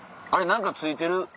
何かついてる。